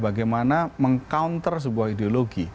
bagaimana meng counter sebuah ideologi